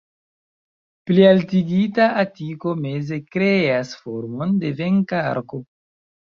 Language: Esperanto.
Plialtigita atiko meze kreas formon de venka arko.